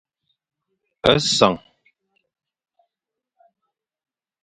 A sen.